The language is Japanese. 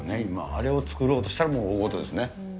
あれを作ろうとしたら、大ごとですね。